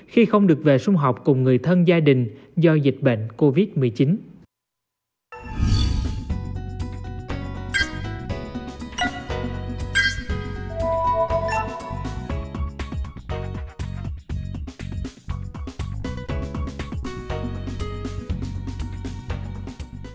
khi không được về sung học cùng người thân gia đình do dịch bệnh covid một mươi chín